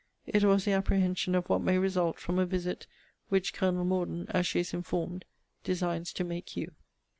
It was the apprehension of what may result from a visit which Col. Morden, as she is informed, designs to make you.